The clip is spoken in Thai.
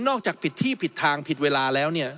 นอกจากผิดที่ผิดทางผิดเวลาแล้ว